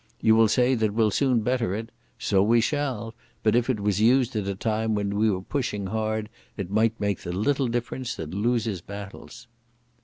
You will say that we'll soon better it. So we shall, but if it was used at a time when we were pushing hard it might make the little difference that loses battles."